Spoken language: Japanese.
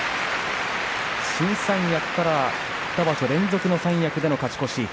新三役から２場所連続の三役での勝ち越し。